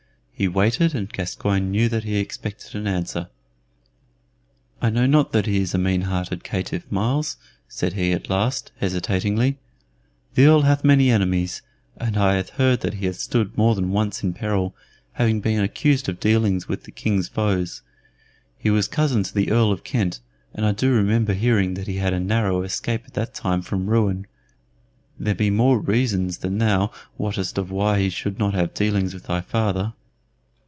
He waited, and Gascoyne knew that he expected an answer. "I know not that he is a mean hearted caitiff, Myles," said he at last, hesitatingly. "The Earl hath many enemies, and I have heard that he hath stood more than once in peril, having been accused of dealings with the King's foes. He was cousin to the Earl of Kent, and I do remember hearing that he had a narrow escape at that time from ruin. There be more reasons than thou wottest of why he should not have dealings with thy father."